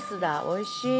おいしい。